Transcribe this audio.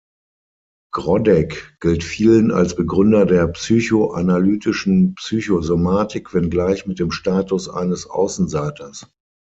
Groddeck gilt vielen als Begründer der psychoanalytischen Psychosomatik, wenngleich mit dem Status eines Außenseiters.